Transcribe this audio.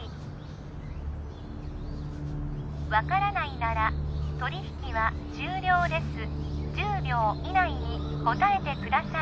分からないなら取引は終了です１０秒以内に答えてください